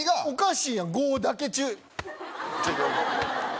おかしいやん５だけ注意